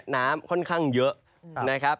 น้ำค่อนข้างเยอะ